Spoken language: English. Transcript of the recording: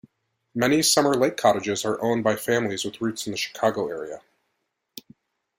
Many summer lake cottages are owned by families with roots in the Chicago area.